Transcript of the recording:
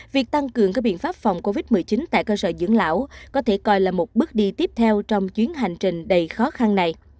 việc tăng cường các biện pháp phòng covid một mươi chín tại cơ sở dưỡng lão có thể coi là một bước đi tiếp theo trong chuyến hành trình đầy khó khăn này